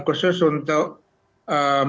khusus untuk masyarakat yang berat